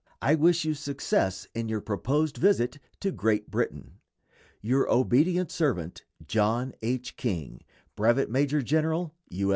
I wish you success in your proposed visit to Great Britain. Your obedient servant, JNO. H. KING, _Brevet Major General U.